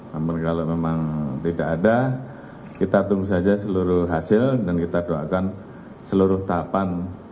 namun kalau memang tidak ada kita tunggu saja seluruh hasil dan kita doakan seluruh tahapan